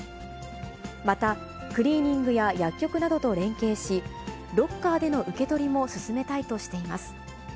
また、クリーニングや薬局などと連携し、ロッカーでの受け取りも進めたいとしています。